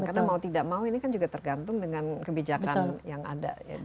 karena mau tidak mau ini kan juga tergantung dengan kebijakan yang ada